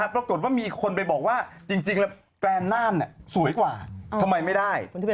ปรากฏว่ามีคนไปบอกว่าจริงแล้วแฟนน่านสวยกว่าทำไมไม่ได้